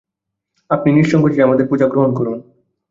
আপনি নিঃসংকোচে আমাদের পূজা গ্রহণ করুন।